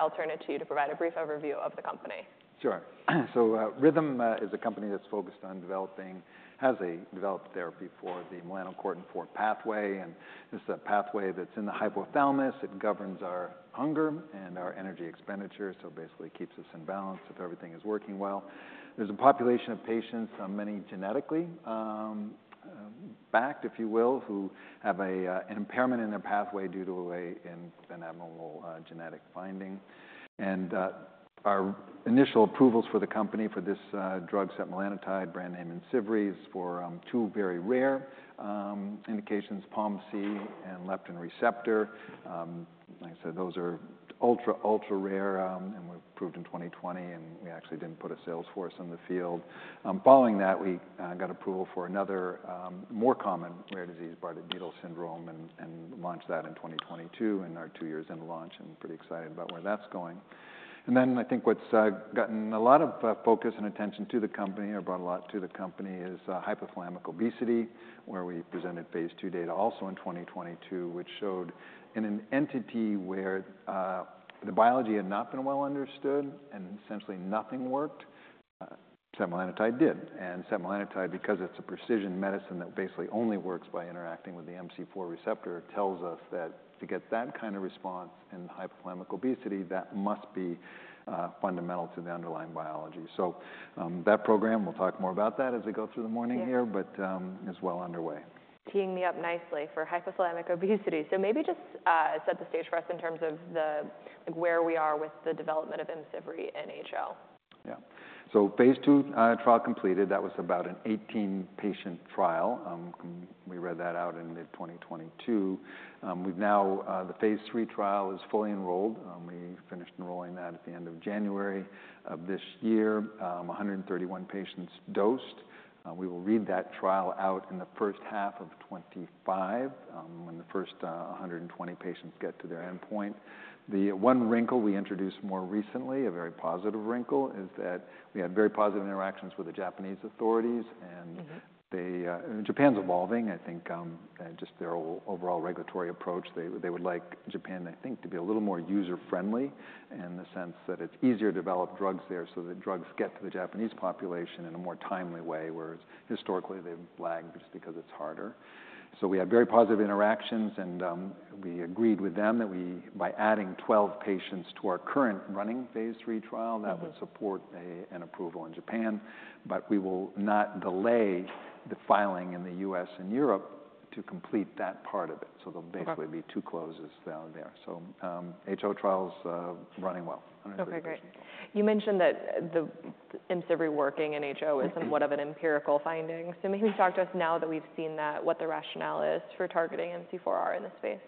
I'll turn it to you to provide a brief overview of the company. Sure. So, Rhythm is a company that's focused on developing has developed therapy for the melanocortin-4 pathway, and this is a pathway that's in the hypothalamus. It governs our hunger and our energy expenditure, so basically keeps us in balance if everything is working well. There's a population of patients, many genetically based, if you will, who have an impairment in their pathway due to an abnormal genetic finding. And, our initial approvals for the company for this drug, setmelanotide, brand name Imcivree, is for two very rare indications, POMC and leptin receptor. Like I said, those are ultra, ultra-rare, and were approved in 2020, and we actually didn't put a sales force in the field. Following that, we got approval for another more common rare disease, Bardet-Biedl syndrome, and launched that in 2022, and are 2 years in launch and pretty excited about where that's going. And then I think what's gotten a lot of focus and attention to the company or brought a lot to the company is hypothalamic obesity, where we presented phase II data also in 2022, which showed in an entity where the biology had not been well understood and essentially nothing worked, setmelanotide did. And setmelanotide, because it's a precision medicine that basically only works by interacting with the MC4 receptor, tells us that to get that kind of response in hypothalamic obesity, that must be fundamental to the underlying biology. So, that program, we'll talk more about that as we go through the morning here- Yeah. But is well underway. Teeing me up nicely for hypothalamic obesity. So maybe just, set the stage for us in terms of the like, where we are with the development of Imcivree and HO. Yeah. So phase II trial completed, that was about an 18-patient trial. We read that out in mid-2022. We've now, the phase III trial is fully enrolled. We finished enrolling that at the end of January of this year. 131 patients dosed. We will read that trial out in the first half of 2025, when the first, 120 patients get to their endpoint. The one wrinkle we introduced more recently, a very positive wrinkle, is that we had very positive interactions with the Japanese authorities and- They, Japan's evolving. I think, just their overall regulatory approach, they, they would like Japan, I think, to be a little more user-friendly in the sense that it's easier to develop drugs there, so the drugs get to the Japanese population in a more timely way, whereas historically, they've lagged just because it's harder. So we had very positive interactions, and, we agreed with them that we, by adding 12 patients to our current running phase III trial that would support an approval in Japan, but we will not delay the filing in the US and Europe to complete that part of it. Okay. There'll basically be 2 closes down there. HO trial's running well. 100%. Okay, great. You mentioned that the Imcivree working in HO is Somewhat of an empirical finding. So maybe talk to us now that we've seen that, what the rationale is for targeting MC4R in this space?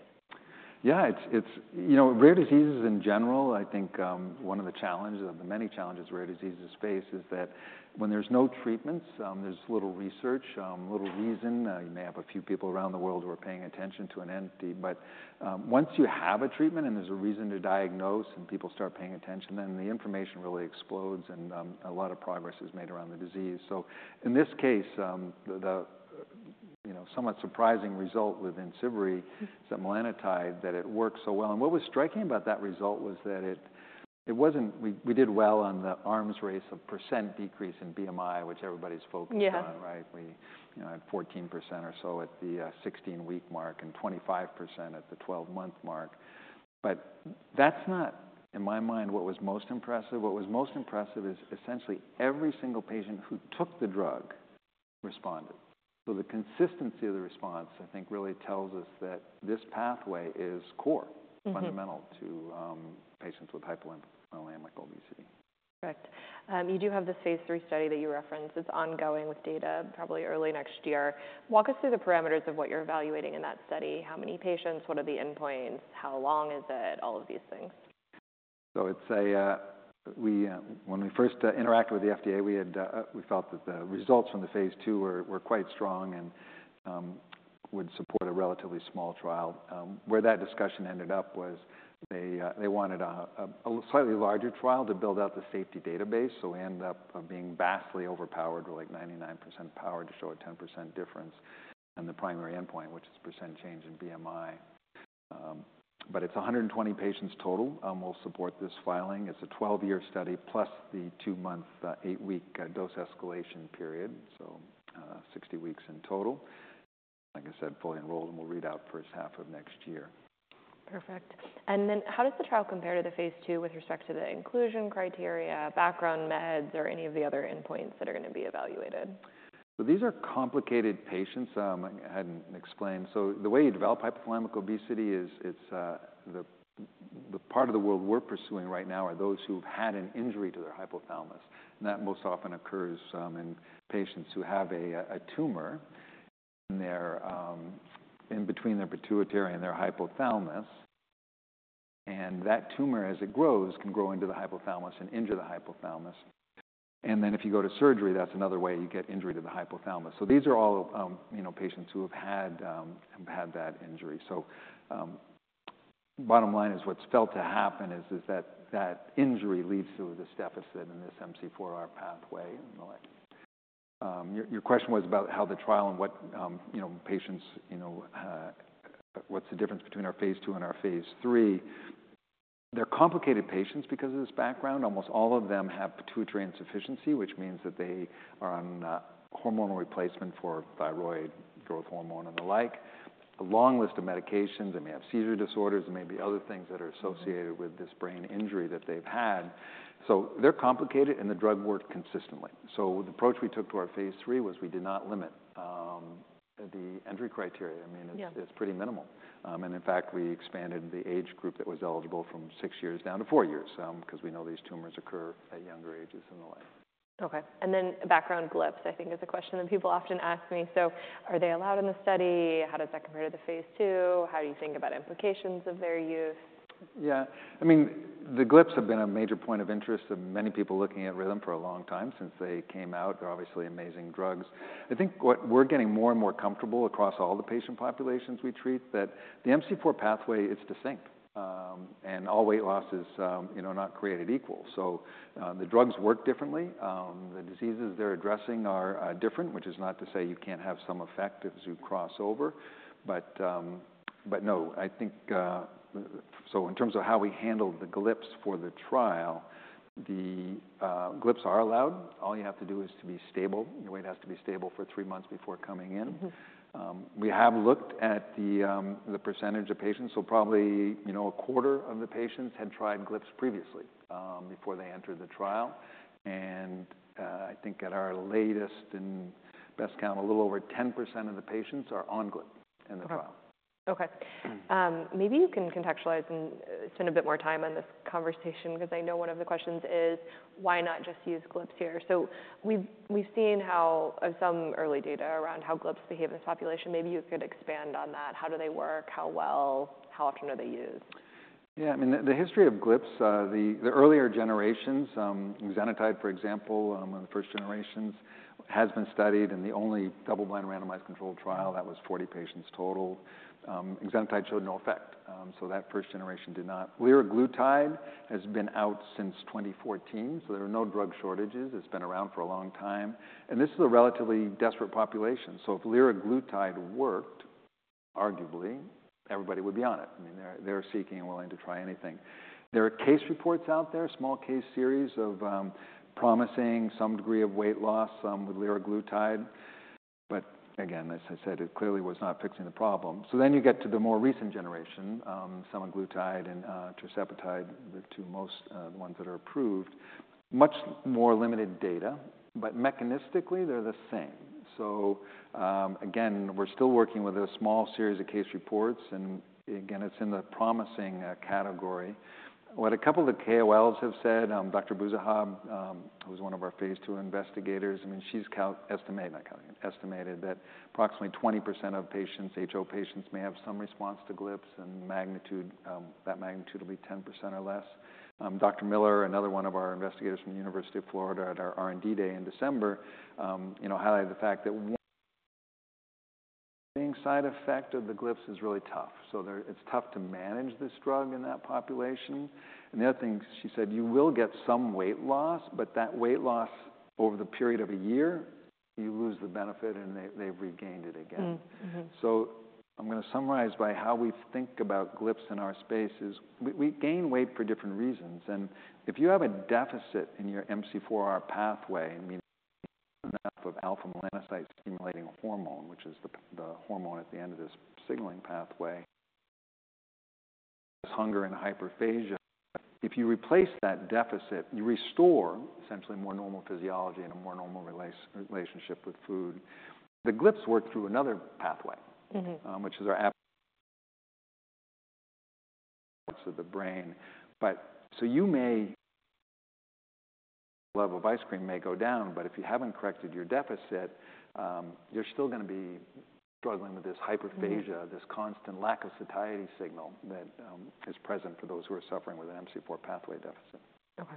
Yeah, it's. You know, rare diseases in general, I think, one of the challenges, of the many challenges rare diseases face, is that when there's no treatments, there's little research, little reason. You may have a few people around the world who are paying attention to an entity, but, once you have a treatment and there's a reason to diagnose and people start paying attention, then the information really explodes and, a lot of progress is made around the disease. So in this case, you know, somewhat surprising result with Imcivree setmelanotide, that it works so well. And what was striking about that result was that it wasn't. We did well on the arms race of % decrease in BMI, which everybody's focused on. Yeah. Right? We, you know, had 14% or so at the 16-week mark and 25% at the 12-month mark. But that's not, in my mind, what was most impressive. What was most impressive is essentially every single patient who took the drug responded. So the consistency of the response, I think, really tells us that this pathway is core fundamental to, patients with hypothalamic obesity. Correct. You do have the phase III study that you referenced. It's ongoing, with data probably early next year. Walk us through the parameters of what you're evaluating in that study, how many patients, what are the endpoints, how long is it? All of these things. So, when we first interacted with the FDA, we felt that the results from the phase II were quite strong and would support a relatively small trial. Where that discussion ended up was they wanted a slightly larger trial to build out the safety database, so we ended up being vastly overpowered, with, like, 99% power to show a 10% difference in the primary endpoint, which is % change in BMI. But it's 120 patients total, will support this filing. It's a 12-year study plus the 2-month, 8-week dose escalation period, so, 60 weeks in total. Like I said, fully enrolled, and we'll read out first half of next year. Perfect. And then how does the trial compare to the phase II with respect to the inclusion criteria, background meds, or any of the other endpoints that are going to be evaluated? So these are complicated patients, I hadn't explained. So the way you develop hypothalamic obesity is, the part of the world we're pursuing right now are those who've had an injury to their hypothalamus, and that most often occurs, in patients who have a tumor in their, in between their pituitary and their hypothalamus. And that tumor, as it grows, can grow into the hypothalamus and injure the hypothalamus. And then if you go to surgery, that's another way you get injury to the hypothalamus. So these are all, you know, patients who have had that injury. So, bottom line is, what's felt to happen is that that injury leads to this deficit in this MC4R pathway and the like. Your question was about how the trial and what, you know, patients, you know, what's the difference between our phase 2 and our phase 3? They're complicated patients because of this background. Almost all of them have pituitary insufficiency, which means that they are on, hormonal replacement for thyroid growth hormone and the like. A long list of medications, they may have seizure disorders, there may be other things that are associated with this brain injury that they've had. So they're complicated, and the drug worked consistently. So the approach we took to our phase three was we did not limit the entry criteria. Yeah. I mean, it's pretty minimal. In fact, we expanded the age group that was eligible from 6 years down to 4 years, 'cause we know these tumors occur at younger ages and the like. Okay, and then background GLP, I think, is a question that people often ask me. So are they allowed in the study? How does that compare to the phase 2? How do you think about implications of their use? Yeah. I mean, the GLPs have been a major point of interest of many people looking at Rhythm for a long time since they came out. They're obviously amazing drugs. I think what. We're getting more and more comfortable across all the patient populations we treat, that the MC4 pathway, it's distinct. And all weight loss is, you know, not created equal. So, the drugs work differently. The diseases they're addressing are, are different, which is not to say you can't have some effect as you cross over, but, but no, I think. So in terms of how we handled the GLPs for the trial, the GLPs are allowed. All you have to do is to be stable. Your weight has to be stable for three months before coming in. We have looked at the percentage of patients, so probably, you know, a quarter of the patients had tried GLPs previously before they entered the trial. I think at our latest and best count, a little over 10% of the patients are on GLP in the trial. Okay Maybe you can contextualize and spend a bit more time on this conversation, because I know one of the questions is: why not just use GLPs here? So we've seen how some early data around how GLPs behave in this population. Maybe you could expand on that. How do they work? How well? How often are they used? Yeah, I mean, the history of GLPs, the earlier generations, Exenatide, for example, one of the first generations, has been studied, and the only double-blind randomized controlled trial, that was 40 patients total. Exenatide showed no effect, so that first generation did not. Liraglutide has been out since 2014, so there are no drug shortages. It's been around for a long time. And this is a relatively desperate population. So if Liraglutide worked, arguably, everybody would be on it. I mean, they're seeking and willing to try anything. There are case reports out there, small case series of promising some degree of weight loss, some with Liraglutide. But again, as I said, it clearly was not fixing the problem. So then you get to the more recent generation, Semaglutide and Tirzepatide, the two most ones that are approved. Much more limited data, but mechanistically, they're the same. So, again, we're still working with a small series of case reports, and again, it's in the promising category. What a couple of the KOLs have said, Dr. Bouzahzah, who was one of our phase 2 investigators, I mean, she estimated, not counted, estimated that approximately 20% of patients, HO patients, may have some response to GLPs, and magnitude, that magnitude will be 10% or less. Dr. Miller, another one of our investigators from the University of Florida at our R&D day in December, you know, highlighted the fact that one side effect of the GLPs is really tough. So it's tough to manage this drug in that population. The other thing she said, "You will get some weight loss, but that weight loss over the period of a year, you lose the benefit, and they, they've regained it again. So I'm gonna summarize by how we think about GLPs in our space is we gain weight for different reasons, and if you have a deficit in your MC4R pathway, I mean, enough of alpha melanocyte-stimulating hormone, which is the hormone at the end of this signaling pathway, hunger and hyperphagia. If you replace that deficit, you restore essentially more normal physiology and a more normal relationship with food. The GLPs work through another pathway which is a part of the brain. But, so your level of ice cream may go down, but if you haven't corrected your deficit, you're still gonna be struggling with this hyperphagia. This constant lack of satiety signal that is present for those who are suffering with an MC4 pathway deficit. Okay.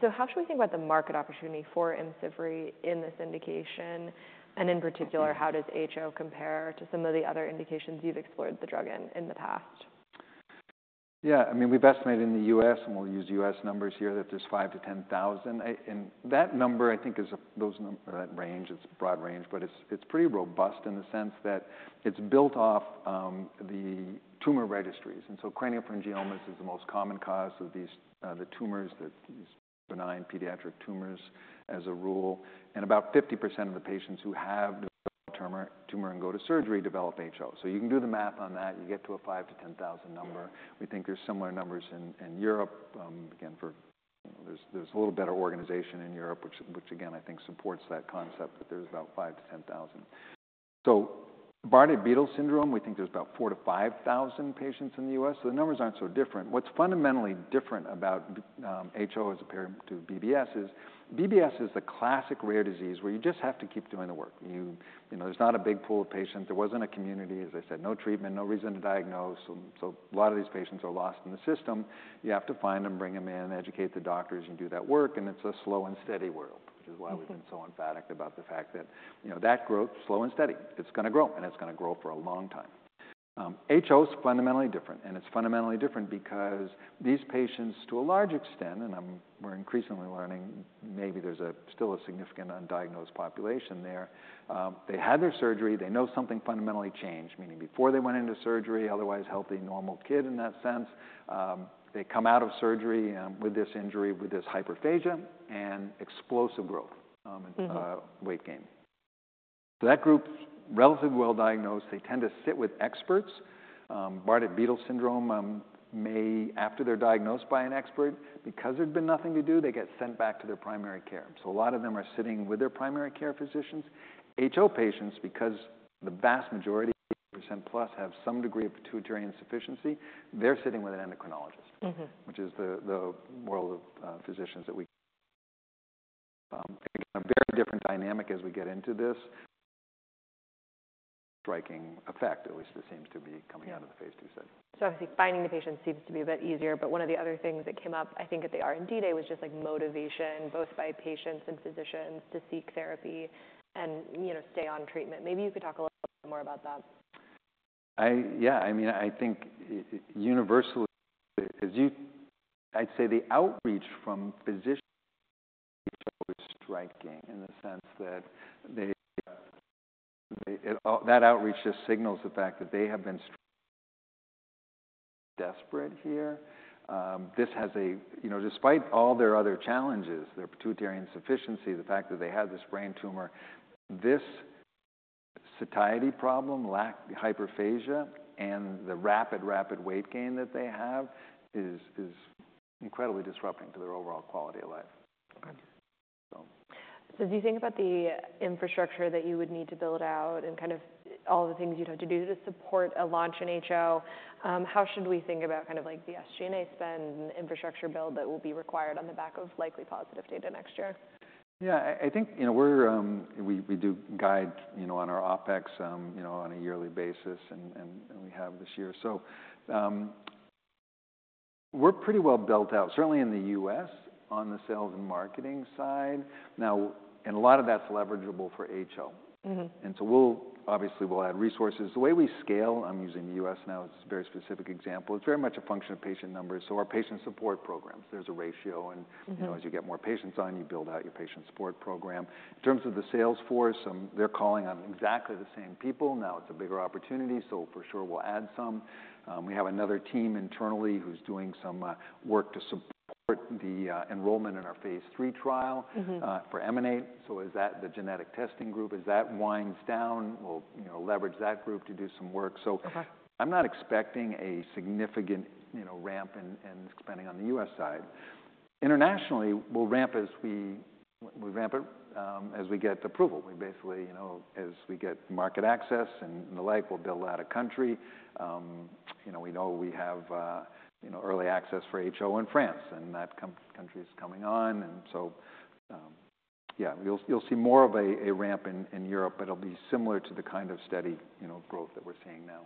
So how should we think about the market opportunity for Imcivree in this indication? And in particular- Okay how does HO compare to some of the other indications you've explored the drug in, in the past? Yeah, I mean, we've estimated in the U.S., and we'll use U.S. numbers here, that there's 5,000-10,000. And that number, I think, is a... or that range, it's a broad range, but it's, it's pretty robust in the sense that it's built off, the tumor registries. And so craniopharyngiomas is the most common cause of these, the tumors, that these benign pediatric tumors, as a rule, and about 50% of the patients who have the tumor and go to surgery develop HO. So you can do the math on that, you get to a 5,000-10,000 number. Yeah. We think there's similar numbers in Europe. Again, for... There's a little better organization in Europe, which again, I think supports that concept that there's about 5-10 thousand. So Bardet-Biedl syndrome, we think there's about 4-5 thousand patients in the U.S. The numbers aren't so different. What's fundamentally different about HO as compared to BBS is, BBS is the classic rare disease where you just have to keep doing the work. You know, there's not a big pool of patients. There wasn't a community, as I said, no treatment, no reason to diagnose. So a lot of these patients are lost in the system. You have to find them, bring them in, educate the doctors and do that work, and it's a slow and steady world. which is why we've been so emphatic about the fact that, you know, that growth, slow and steady. It's gonna grow, and it's gonna grow for a long time.... HO is fundamentally different, and it's fundamentally different because these patients, to a large extent, and we're increasingly learning, maybe there's a still a significant undiagnosed population there. They had their surgery, they know something fundamentally changed, meaning before they went into surgery, otherwise healthy, normal kid in that sense. They come out of surgery, with this injury, with this hyperphagia and explosive growth weight gain. So that group's relatively well diagnosed, they tend to sit with experts. Bardet-Biedl syndrome, after they're diagnosed by an expert, because there'd been nothing to do, they get sent back to their primary care. So a lot of them are sitting with their primary care physicians. HO patients, because the vast majority, percent plus, have some degree of pituitary insufficiency, they're sitting with an endocrinologist which is the world of physicians that we again, a very different dynamic as we get into this striking effect, at least it seems to be coming out of the phase 2 study. So I think finding the patients seems to be a bit easier, but one of the other things that came up, I think at the R&D Day, was just, like, motivation, both by patients and physicians, to seek therapy and, you know, stay on treatment. Maybe you could talk a little more about that. Yeah, I mean, I think universally, I'd say the outreach from physicians was striking in the sense that that outreach just signals the fact that they have been desperate here. You know, despite all their other challenges, their pituitary insufficiency, the fact that they have this brain tumor, this satiety problem, like hyperphagia, and the rapid, rapid weight gain that they have is incredibly disrupting to their overall quality of life. Okay. So. So as you think about the infrastructure that you would need to build out and kind of all the things you'd have to do to support a launch in HO, how should we think about kind of like the SG&A spend and infrastructure build that will be required on the back of likely positive data next year? Yeah, I think, you know, we're. We do guide, you know, on our OpEx, you know, on a yearly basis, and we have this year. So, we're pretty well built out, certainly in the U.S., on the sales and marketing side. Now, and a lot of that's leverageable for HO. Mm-hmm. Obviously, we'll add resources. The way we scale, I'm using the U.S. now as a very specific example, it's very much a function of patient numbers. So our patient support programs, there's a ratio and- Mm-hmm... you know, as you get more patients on, you build out your patient support program. In terms of the sales force, they're calling on exactly the same people. Now, it's a bigger opportunity, so for sure we'll add some. We have another team internally who's doing some work to support the enrollment in our phase 3 trial for EMANATE. So as that, the genetic testing group, as that winds down, we'll, you know, leverage that group to do some work. Okay. So I'm not expecting a significant, you know, ramp in spending on the U.S. side. Internationally, we'll ramp as we, we'll ramp it, as we get approval. We basically, you know, as we get market access and the like, we'll build out a country. You know, we know we have early access for HO in France, and that country is coming on. And so, yeah, you'll see more of a ramp in Europe, but it'll be similar to the kind of steady, you know, growth that we're seeing now.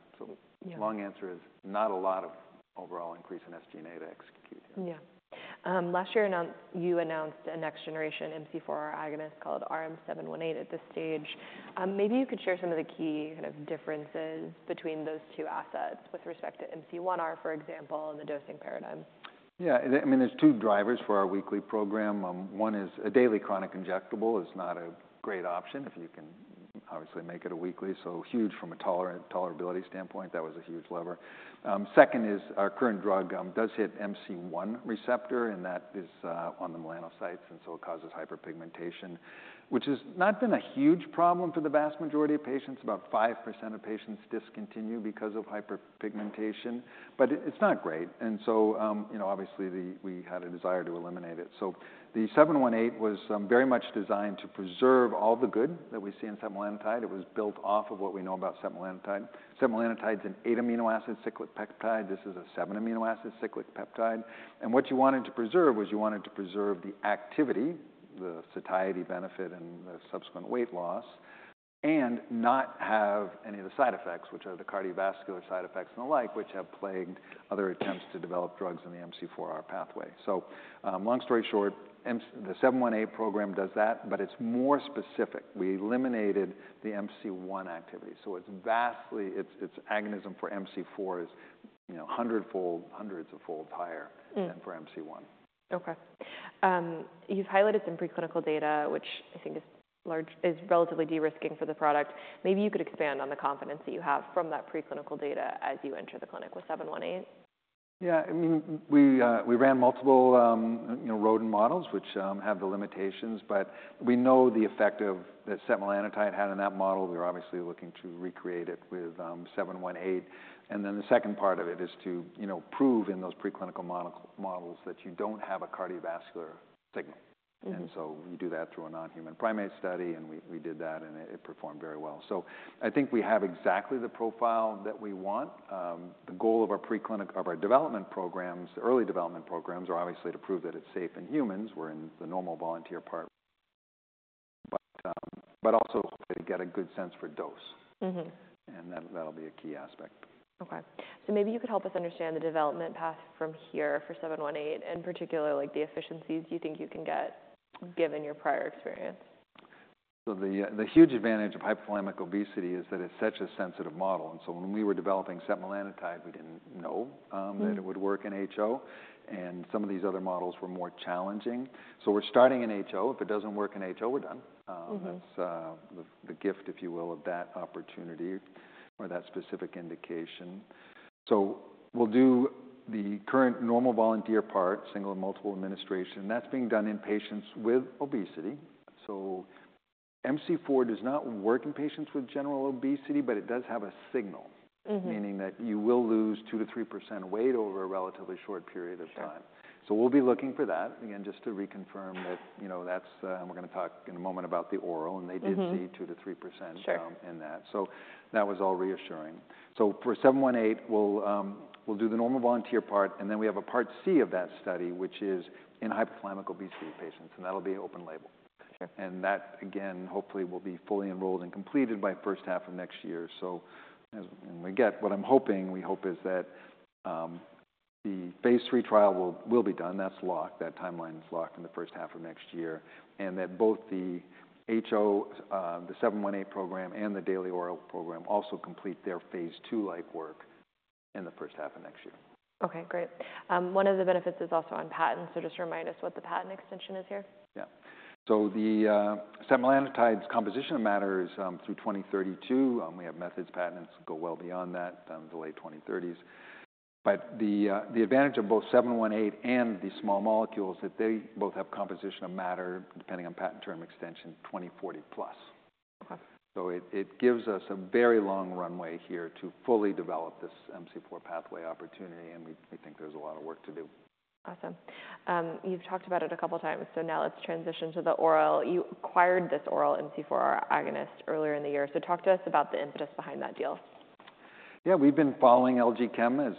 Yeah. Long answer is, not a lot of overall increase in SG&A to execute. Yeah. Last year, you announced a next-generation MC4R agonist called RM-718 at this stage. Maybe you could share some of the key kind of differences between those two assets with respect to MC1R, for example, and the dosing paradigm. Yeah, I mean, there's two drivers for our weekly program. One is a daily chronic injectable is not a great option if you can obviously make it a weekly, so huge from a tolerability standpoint, that was a huge lever. Second is our current drug does hit MC1R receptor, and that is on the melanocytes, and so it causes hyperpigmentation, which has not been a huge problem for the vast majority of patients. About 5% of patients discontinue because of hyperpigmentation, but it, it's not great. So you know, obviously, we had a desire to eliminate it. So the RM-718 was very much designed to preserve all the good that we see in setmelanotide. It was built off of what we know about setmelanotide. Setmelanotide is an 8 amino acid cyclic peptide; this is a 7 amino acid cyclic peptide. What you wanted to preserve was you wanted to preserve the activity, the satiety benefit, and the subsequent weight loss, and not have any of the side effects, which are the cardiovascular side effects and the like, which have plagued other attempts to develop drugs in the MC4R pathway. So, long story short, the RM-718 program does that, but it's more specific. We eliminated the MC1 activity, so it's vastly—its agonism for MC4 is, you know, 100-fold, hundreds-fold higher- Mm... than for MC1. Okay. You've highlighted some preclinical data, which I think is relatively de-risking for the product. Maybe you could expand on the confidence that you have from that preclinical data as you enter the clinic with 718. Yeah, I mean, we ran multiple, you know, rodent models, which have the limitations, but we know the effect of that setmelanotide had on that model. We're obviously looking to recreate it with RM-718. And then the second part of it is to, you know, prove in those preclinical models that you don't have a cardiovascular signal. And so we do that through a non-human primate study, and we did that, and it performed very well. So I think we have exactly the profile that we want. The goal of our development programs, early development programs, are obviously to prove that it's safe in humans. We're in the normal volunteer part, but also to get a good sense for dose. That, that'll be a key aspect. Okay. So maybe you could help us understand the development path from here for 718, and particularly, like the efficiencies you think you can get, given your prior experience. So the huge advantage of hypothalamic obesity is that it's such a sensitive model. And so when we were developing setmelanotide, we didn't know that it would work in HO, and some of these other models were more challenging. So we're starting in HO. If it doesn't work in HO, we're done. Mm-hmm. That's the gift, if you will, of that opportunity or that specific indication. So we'll do the current normal volunteer part, single and multiple administration. That's being done in patients with obesity. So MC4 does not work in patients with general obesity, but it does have a signal. Mm-hmm. Meaning that you will lose 2%-3% of weight over a relatively short period of time. Sure. So we'll be looking for that. Again, just to reconfirm that, you know, that's. And we're going to talk in a moment about the oral and they did see 2%-3% Sure So that was all reassuring. So for RM-718, we'll do the normal volunteer part, and then we have a part C of that study, which is in hypothalamic obesity patients, and that'll be open label. Okay. That, again, hopefully will be fully enrolled and completed by first half of next year. So, and again, what I'm hoping, we hope is that the phase 3 trial will be done. That's locked. That timeline is locked in the first half of next year, and that both the HO, the RM-718 program and the daily oral program also complete their phase 2-like work in the first half of next year. Okay, great. One of the benefits is also on patent, so just remind us what the patent extension is here? Yeah. So the setmelanotide's composition of matter is through 2032. We have methods patents go well beyond that, the late 2030s. But the advantage of both RM-718 and the small molecules, that they both have composition of matter, depending on patent term extension, 2040+. Okay. So it gives us a very long runway here to fully develop this MC4 pathway opportunity, and we think there's a lot of work to do. Awesome. You've talked about it a couple of times, so now let's transition to the oral. You acquired this oral MC4 agonist earlier in the year. So talk to us about the impetus behind that deal. Yeah, we've been following LG Chem, as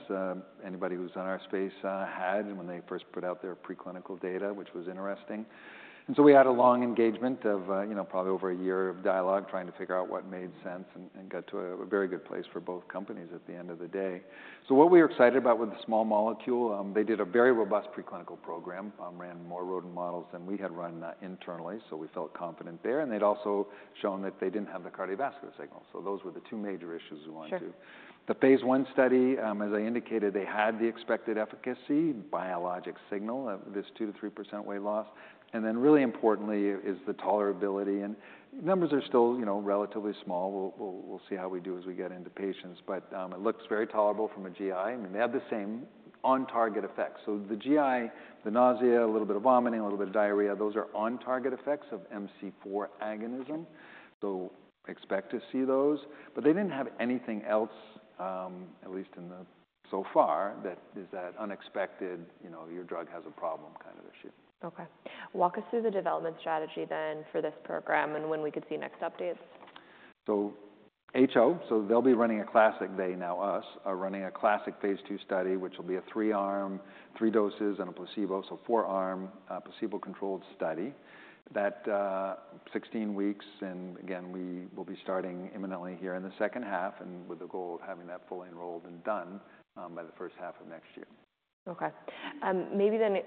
anybody who's on our space had when they first put out their preclinical data, which was interesting. So we had a long engagement of, you know, probably over a year of dialogue, trying to figure out what made sense, and got to a very good place for both companies at the end of the day. So what we are excited about with the small molecule, they did a very robust preclinical program. Ran more rodent models than we had run internally, so we felt confident there, and they'd also shown that they didn't have the cardiovascular signal. So those were the two major issues we wanted to. Sure. The phase 1 study, as I indicated, they had the expected efficacy, biologic signal of this 2%-3% weight loss. Then really importantly is the tolerability, and numbers are still, you know, relatively small. We'll, we'll, we'll see how we do as we get into patients, but it looks very tolerable from a GI. I mean, they have the same on-target effects. So the GI, the nausea, a little bit of vomiting, a little bit of diarrhea, those are on-target effects of MC4 agonism. Expect to see those. They didn't have anything else, at least in the... so far, that is that unexpected, you know, your drug has a problem kind of issue. Okay. Walk us through the development strategy then for this program, and when we could see next updates. So HO, we'll be running a classic phase 2 study, which will be a 3-arm, 3 doses and a placebo. So 4-arm, placebo-controlled study that 16 weeks, and again, we will be starting imminently here in the second half, and with the goal of having that fully enrolled and done by the first half of next year. Okay. Maybe then,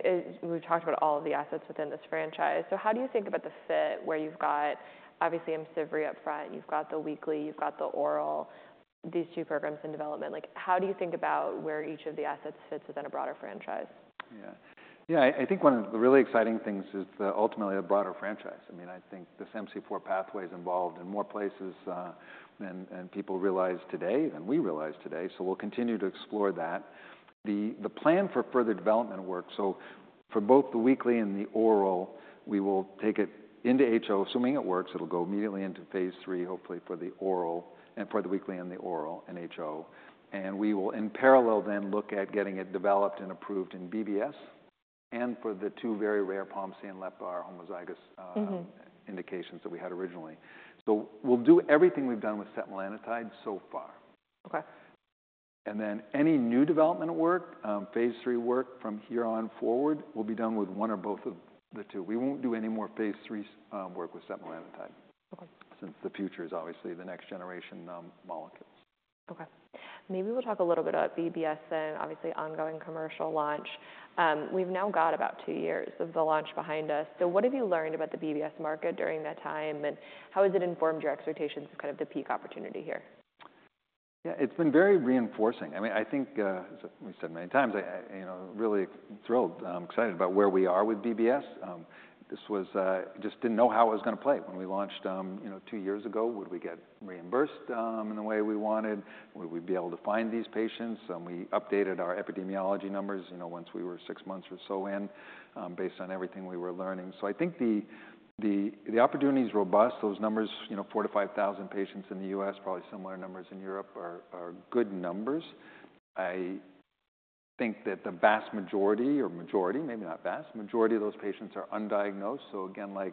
we've talked about all of the assets within this franchise. So how do you think about the fit, where you've got obviously Imcivree up front, you've got the weekly, you've got the oral, these two programs in development? Like, how do you think about where each of the assets fits within a broader franchise? Yeah. Yeah, I think one of the really exciting things is ultimately a broader franchise. I mean, I think this MC4 pathway is involved in more places than people realize today than we realize today, so we'll continue to explore that. The plan for further development work, so for both the weekly and the oral, we will take it into HO. Assuming it works, it'll go immediately into phase three, hopefully for the oral and for the weekly and the oral in HO. And we will, in parallel then, look at getting it developed and approved in BBS, and for the two very rare POMC and LEPR homozygous indications that we had originally. So we'll do everything we've done with setmelanotide so far. Okay. And then any new developmental work, phase 3 work from here on forward, will be done with one or both of the two. We won't do any more phase 3 work with setmelanotide- Okay since the future is obviously the next generation, molecules. Okay. Maybe we'll talk a little bit about BBS then. Obviously, ongoing commercial launch. We've now got about two years of the launch behind us. So what have you learned about the BBS market during that time, and how has it informed your expectations of kind of the peak opportunity here? Yeah, it's been very reinforcing. I mean, I think, as we've said many times, I you know, really thrilled. I'm excited about where we are with BBS. This was... Just didn't know how it was gonna play when we launched, you know, two years ago. Would we get reimbursed, in the way we wanted? Would we be able to find these patients? We updated our epidemiology numbers, you know, once we were six months or so in, based on everything we were learning. So I think the opportunity is robust. Those numbers, you know, 4,000-5,000 patients in the U.S., probably similar numbers in Europe, are good numbers. I think that the vast majority, or majority, maybe not vast, majority of those patients are undiagnosed. So again, like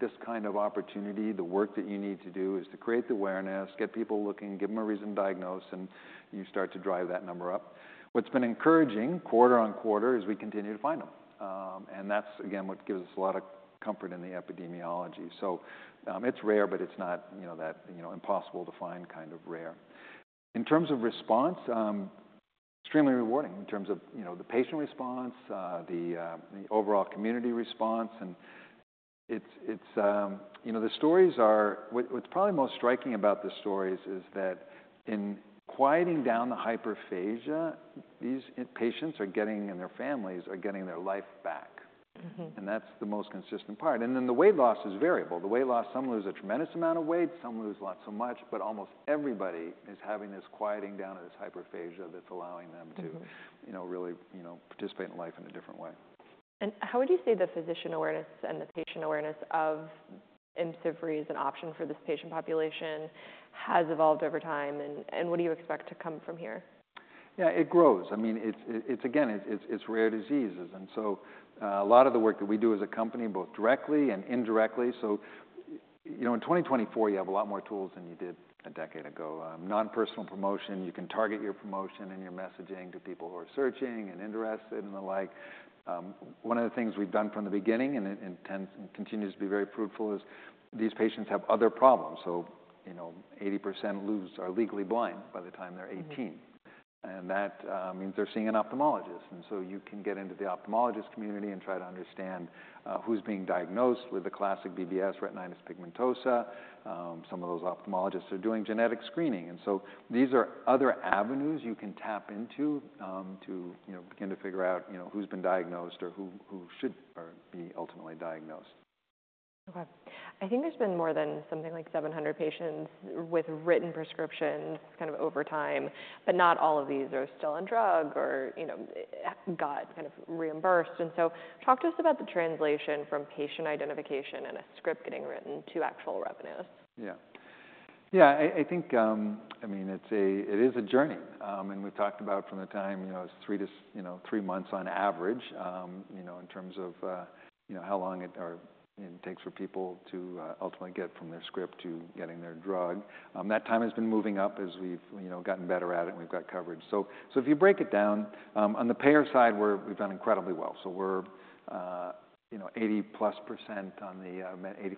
this kind of opportunity, the work that you need to do is to create the awareness, get people looking, give them a reason to diagnose, and you start to drive that number up. What's been encouraging quarter-over-quarter is we continue to find them, and that's again, what gives us a lot of comfort in the epidemiology. So, it's rare, but it's not, you know, that, you know, impossible to find kind of rare. In terms of response, extremely rewarding in terms of, you know, the patient response the overall community response, and it's, it's, you know, the stories, what's probably most striking about the stories is that in quieting down the hyperphagia, these patients are getting, and their families, are getting their life back. That's the most consistent part, and then the weight loss is variable. The weight loss, some lose a tremendous amount of weight, some lose not so much, but almost everybody is having this quieting down of this hyperphagia that's allowing them to You know, really, you know, participate in life in a different way. How would you say the physician awareness and the patient awareness of Imcivree as an option for this patient population has evolved over time, and what do you expect to come from here? Yeah, it grows. I mean, it's rare diseases, and so a lot of the work that we do as a company, both directly and indirectly, so you know, in 2024, you have a lot more tools than you did a decade ago. Non-personal promotion, you can target your promotion and your messaging to people who are searching and interested and the like. One of the things we've done from the beginning, and it tends to continue to be very fruitful, is these patients have other problems. So you know, 80% are legally blind by the time they're 18. That means they're seeing an ophthalmologist, and so you can get into the ophthalmologist community and try to understand who's being diagnosed with the classic BBS retinitis pigmentosa. Some of those ophthalmologists are doing genetic screening, and so these are other avenues you can tap into to, you know, begin to figure out, you know, who's been diagnosed or who, who should or be ultimately diagnosed. Okay. I think there's been more than something like 700 patients with written prescriptions, kind of over time, but not all of these are still on drug or, you know, got kind of reimbursed. And so talk to us about the translation from patient identification and a script getting written to actual revenues. Yeah. Yeah, I think, I mean, it's a journey. And we've talked about from the time, you know, it's 3 to 6 months on average, you know, in terms of, you know, how long it takes for people to ultimately get from their script to getting their drug. That time has been moving up as we've, you know, gotten better at it, and we've got coverage. So if you break it down, on the payer side, we've done incredibly well. So we're, you know, 80+% on the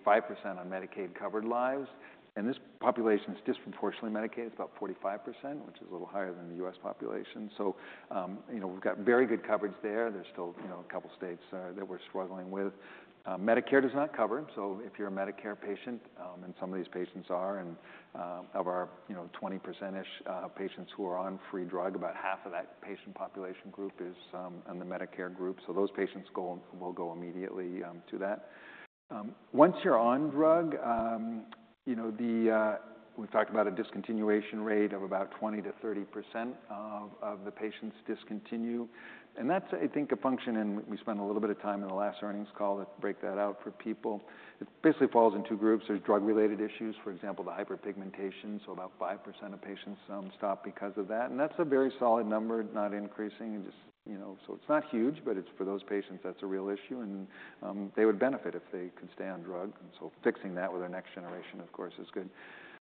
85% on Medicaid-covered lives, and this population is disproportionately Medicaid. It's about 45%, which is a little higher than the U.S. population. So, you know, we've got very good coverage there. There's still, you know, a couple of states that we're struggling with. Medicare does not cover, so if you're a Medicare patient, and some of these patients are of our, you know, 20%ish patients who are on free drug, about half of that patient population group is in the Medicare group. So those patients will go immediately to that. Once you're on drug, you know, the. We've talked about a discontinuation rate of about 20%-30% of the patients discontinue, and that's, I think, a function, and we spent a little bit of time in the last earnings call to break that out for people. It basically falls in two groups. There's drug-related issues, for example, the hyperpigmentation, so about 5% of patients stop because of that, and that's a very solid number, not increasing, and just... You know, so it's not huge, but it's, for those patients, that's a real issue, and, they would benefit if they could stay on drug. And so fixing that with our next generation, of course, is good.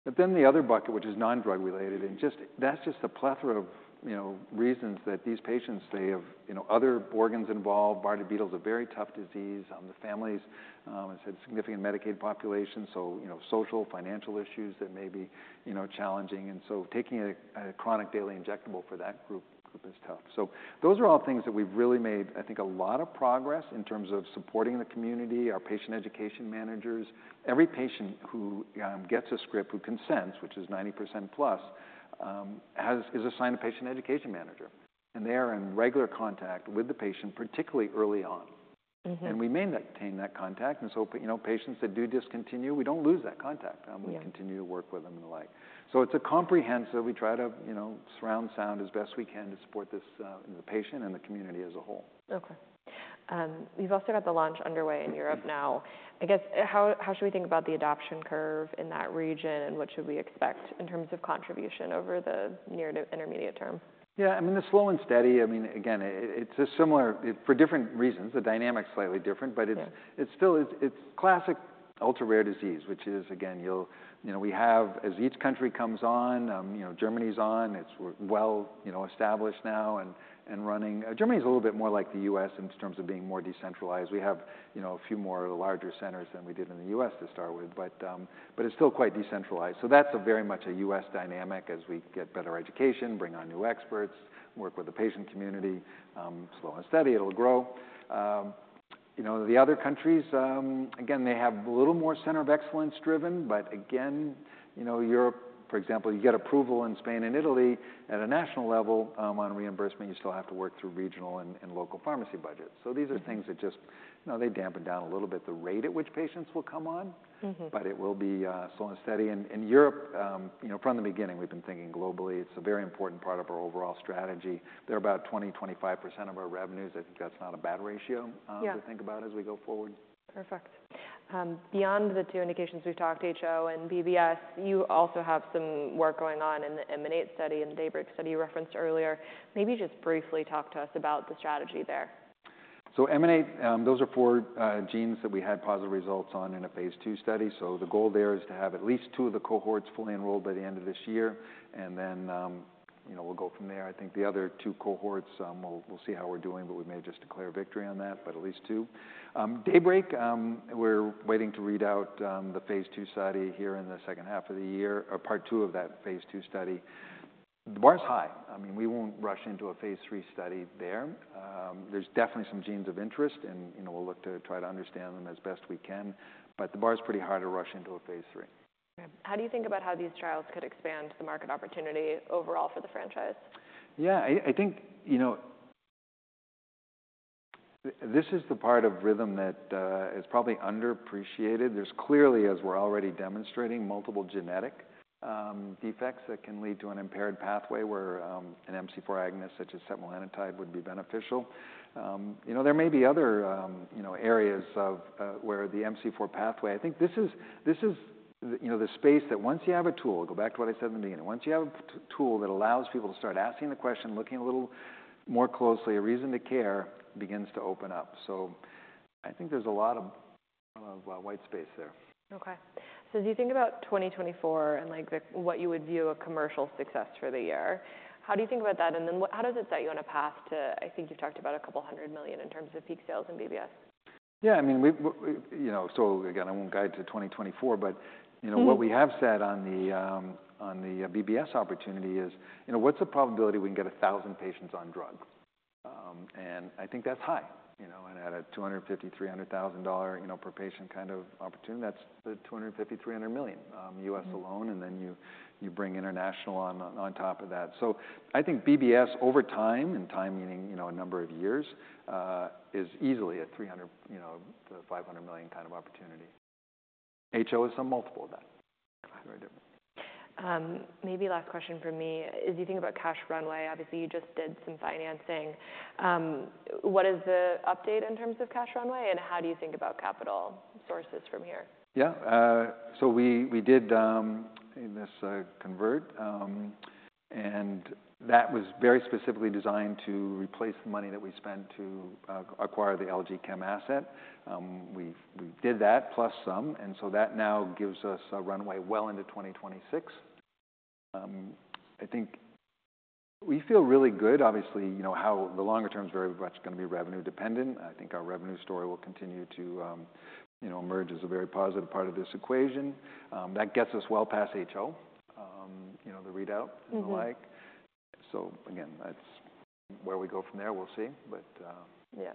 But then the other bucket, which is non-drug related, and just, that's just a plethora of, you know, reasons that these patients, they have, you know, other organs involved. Bardet-Biedl's a very tough disease on the families. It's a significant Medicaid population, so, you know, social, financial issues that may be, you know, challenging, and so taking a, a chronic daily injectable for that group, group is tough. So those are all things that we've really made, I think, a lot of progress in terms of supporting the community, our patient education managers. Every patient who gets a script, who consents, which is 90% plus, is assigned a patient education manager, and they are in regular contact with the patient, particularly early on. We maintain that contact, and so, you know, patients that do discontinue, we don't lose that contact. Yeah. We continue to work with them and the like. So it's a comprehensive... We try to, you know, surround sound as best we can to support this, the patient and the community as a whole. Okay. You've also got the launch underway in Europe now. I guess, how should we think about the adoption curve in that region, and what should we expect in terms of contribution over the near to intermediate term? Yeah, I mean, the slow and steady, I mean, again, it's a similar, for different reasons, the dynamic's slightly different- Yeah but it's still classic ultra-rare disease, which is, again, you'll... You know, we have, as each country comes on, you know, Germany's on, it's well, you know, established now and running. Germany is a little bit more like the U.S. in terms of being more decentralized. We have, you know, a few more larger centers than we did in the U.S. to start with, but, but it's still quite decentralized. So that's very much a U.S. dynamic as we get better education, bring on new experts, work with the patient community, slow and steady, it'll grow. You know, the other countries, again, they have a little more center of excellence driven, but again, you know, Europe, for example, you get approval in Spain and Italy at a national level. On reimbursement, you still have to work through regional and local pharmacy budgets. These are things that just, you know, they dampen down a little bit, the rate at which patients will come on. But it will be slow and steady. In Europe, you know, from the beginning, we've been thinking globally. It's a very important part of our overall strategy. They're about 20%-25% of our revenues. I think that's not a bad ratio. Yeah to think about as we go forward. Perfect. Beyond the two indications, we've talked, HO and BBS, you also have some work going on in the EMANATE study and Daybreak study you referenced earlier. Maybe just briefly talk to us about the strategy there. So EMANATE, those are 4 genes that we had positive results on in a phase 2 study. So the goal there is to have at least 2 of the cohorts fully enrolled by the end of this year, and then, you know, we'll go from there. I think the other 2 cohorts, we'll, we'll see how we're doing, but we may just declare victory on that, but at least 2. Daybreak, we're waiting to read out the phase 2 study here in the second half of the year, or part 2 of that phase 2 study. The bar is high. I mean, we won't rush into a phase 3 study there. There's definitely some genes of interest, and, you know, we'll look to try to understand them as best we can, but the bar is pretty high to rush into a phase 3. Okay. How do you think about how these trials could expand the market opportunity overall for the franchise? Yeah, I think, you know, this is the part of Rhythm that is probably underappreciated. There's clearly, as we're already demonstrating, multiple genetic defects that can lead to an impaired pathway, where an MC4 agonist, such as setmelanotide, would be beneficial. You know, there may be other areas of where the MC4 pathway-- I think this is, you know, the space that once you have a tool-- Go back to what I said in the beginning. Once you have a tool that allows people to start asking the question, looking a little more closely, a reason to care begins to open up. So I think there's a lot of white space there. Okay. So as you think about 2024 and, like, the... what you would view as a commercial success for the year, how do you think about that? And then what—how does it set you on a path to, I think you've talked about $200 million in terms of peak sales in BBS? Yeah, I mean, we, you know, so again, I won't guide to 2024, but you know, what we have said on the BBS opportunity is, you know, what's the probability we can get 1,000 patients on drug? And I think that's high, you know. And at a $250,000-$300,000, you know, per patient kind of opportunity, that's the $250 million-$300 million, U.S. alone. Then you bring international on top of that. So I think BBS, over time, and time meaning, you know, a number of years, is easily a $300-$500 million kind of opportunity. HO is a multiple of that. Very different. Maybe last question from me is, you think about cash runway. Obviously, you just did some financing. What is the update in terms of cash runway, and how do you think about capital sources from here? Yeah. So we did in this convertible, and that was very specifically designed to replace the money that we spent to acquire the LG Chem asset. We did that plus some, and so that now gives us a runway well into 2026. I think we feel really good. Obviously, you know, how the longer term is very much gonna be revenue dependent. I think our revenue story will continue to, you know, emerge as a very positive part of this equation. That gets us well past HO, you know, the readout and the like. So again, that's where we go from there, we'll see. But, Yeah.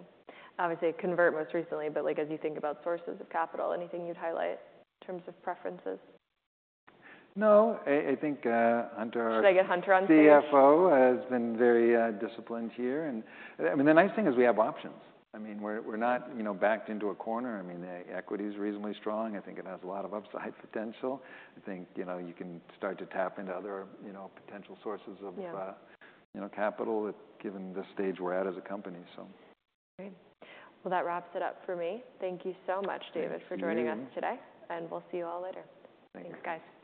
Obviously, a convert most recently, but, like, as you think about sources of capital, anything you'd highlight in terms of preferences? No, I think, Hunter- Should I get Hunter on screen? CFO, has been very disciplined here. I mean, the nice thing is we have options. I mean, we're not, you know, backed into a corner. I mean, the equity is reasonably strong. I think it has a lot of upside potential. I think, you know, you can start to tap into other, you know, potential sources of... Yeah you know, capital, given the stage we're at as a company, so. Great. Well, that wraps it up for me. Thank you so much, David- Thank you for joining us today, and we'll see you all later. Thanks. Thanks, guys.